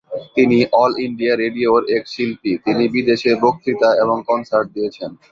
তিনি All India রেডিওর এক শিল্পী, তিনি বিদেশে বক্তৃতা এবং কনসার্ট দিয়েছেন।